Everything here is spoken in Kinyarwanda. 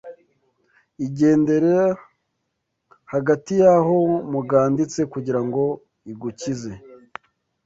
igendera hagati y’aho muganditse kugira ngo igukize